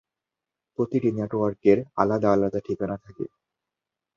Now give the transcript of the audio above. প্রতিটি নেটওয়ার্কের আলাদা আলাদা ঠিকানা থাকে।